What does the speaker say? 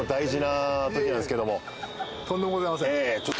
とんでもございません。